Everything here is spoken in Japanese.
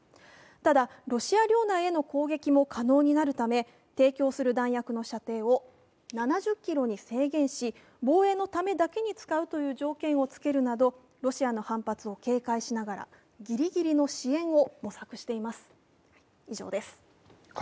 ただロシア領内への攻撃も可能になるため提供する弾薬の射程を７０ｋｍに制限し防衛のためだけに使うという条件をつけるなど、ロシアの反発を警戒しながらぎりぎりの支援を模索しています。